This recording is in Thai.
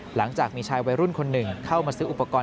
หลังจากมีชายวัยรุ่นคนหนึ่งเข้ามาซื้ออุปกรณ์